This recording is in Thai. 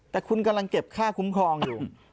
แต่คุณกำลังเก็บค่าคุ้มครองอยู่